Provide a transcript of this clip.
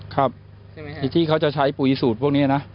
ครับที่เขาจะใช้ปุ๋ยสูตรพวกนี้นะ